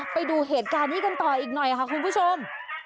ไปดูเหตุการณ์นี้กันต่ออีกหน่อยค่ะคุณผู้ชม